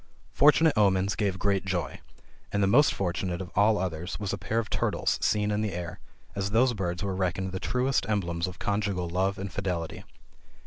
Fortunate omens gave great joy, and the most fortunate of all others was a pair of turtles seen in the air, as those birds were reckoned the truest emblems of conjugal love and fidelity.